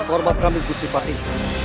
orbat kami gusti patih